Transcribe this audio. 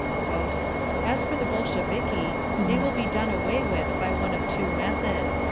"As for the Bolsheviki, they will be done away with by one of two methods.